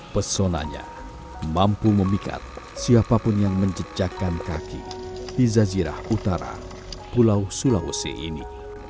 pesonanya mampu memikat siapapun yang menjejakan kaki di zazirah utara pulau sulawesi ini